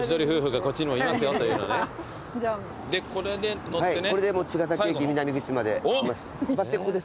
これで茅ヶ崎駅南口まで行きます。